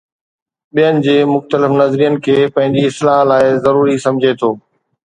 ٻين جي مختلف نظرين کي پنهنجي اصلاح لاءِ ضروري سمجهي ٿو.